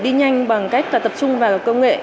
đi nhanh bằng cách tập trung vào công nghệ